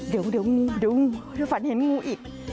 เดี๋ยวเดี๋ยวงูเดี๋ยวฝันเห็นงูอีก